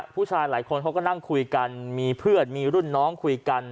ผู้ชายหลายคนเขาก็นั่งคุยกันมีเพื่อนมีรุ่นน้องคุยกัน